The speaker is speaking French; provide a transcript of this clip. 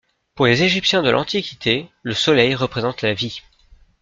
Pour les Égyptiens de l'Antiquité, le Soleil représente la vie.